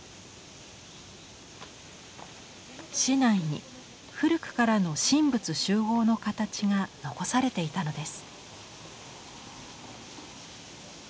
市内に古くからの神仏習合の形が残されていたのです。